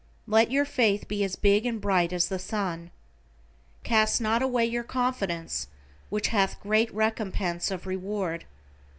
Let your faith be as big and bright as the sun. "Cast not away your confidence which hath great recompense of reward."